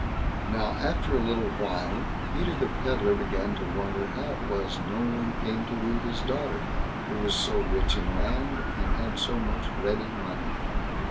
Now, after a little while, Peter the Pedlar began to wonder how it was no one came to woo his daughter, who was so rich in land, and had so much ready money.